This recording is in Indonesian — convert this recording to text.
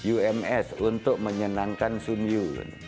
ums untuk menyenangkan sun yu